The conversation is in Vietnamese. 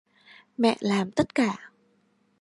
Mẹ làm tất cả